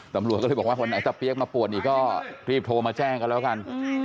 ตำรวจก็เลยบอกว่าวันไหนตะเปี๊ยกมาปวดอีกก็รีบโทรมาแจ้งกันแล้วกัน